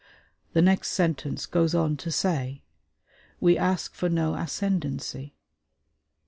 The next sentence goes on to say, "We ask for no ascendancy."